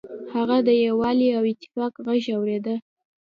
هغه د یووالي او اتفاق غږ اوریده.